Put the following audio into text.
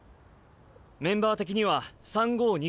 メンバー的には３−５−２が妥当。